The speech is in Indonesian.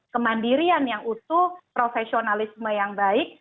kemandirian yang utuh profesionalisme yang baik